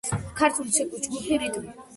ქართული ცეკვის ჯფუფი, რიტმი.